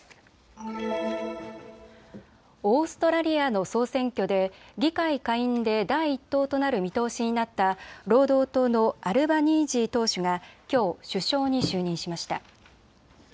オーストラリアの総選挙で議会下院で第１党となる見通しになった労働党のアルバニージー党首がきょう首相に就任しました。